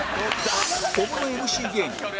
小物 ＭＣ 芸人